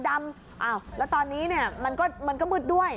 แล้วตอนนี้มันก็มืดด้วย